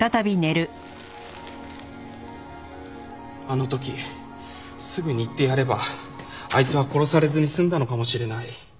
あの時すぐに行ってやればあいつは殺されずに済んだのかもしれない。